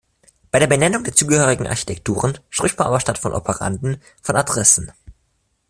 Bei der Benennung der zugehörigen Architekturen spricht man aber statt von Operanden von "Adressen".